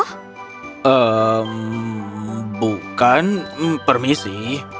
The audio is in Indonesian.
ehm bukan permisi